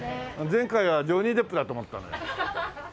前回はジョニー・デップだと思ったんだけど。